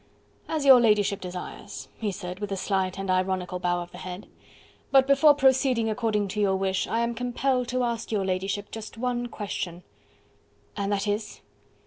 "As your ladyship desires," he said, with a slight and ironical bow of the head. "But before proceeding according to your wish, I am compelled to ask your ladyship just one question." "And that is?"